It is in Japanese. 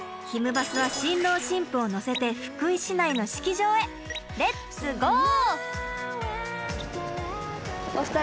バスは新郎新婦を乗せて福井市内の式場へレッツゴー！